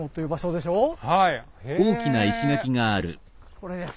これです。